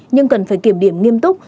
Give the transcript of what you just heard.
nhưng cần phải kiểm điểm nghiêm túc